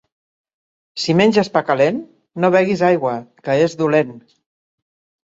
Si menges pa calent, no beguis aigua, que és dolent.